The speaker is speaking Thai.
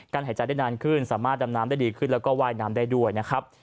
หายใจได้นานขึ้นสามารถดำน้ำได้ดีขึ้นแล้วก็ว่ายน้ำได้ด้วยนะครับ